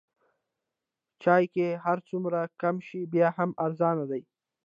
چای که هر څومره کم شي بیا هم ارزانه دی.